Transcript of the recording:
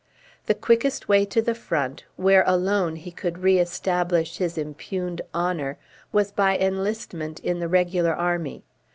The quickest way to the front, where alone he could re establish his impugned honour was by enlistment in the regular army.